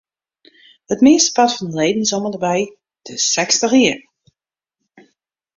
It meastepart fan de leden is om ende by de sechstich jier.